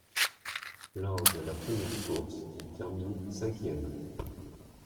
Lors de la première course, il termine cinquième.